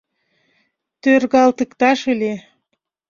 Тӧргалтыкташ ыле.